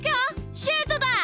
シュートだ！